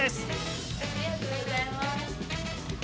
ありがとうございます！